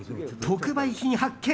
特売品発見。